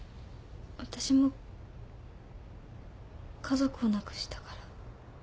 わたしも家族を亡くしたから。